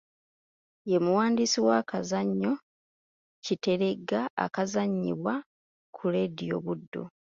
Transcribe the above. Ye muwandiisi w’akazannyo Kiteregga akazannyibwa ku leediyo Buddu.